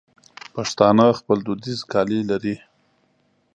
پښتانه خپل دودیز کالي لري.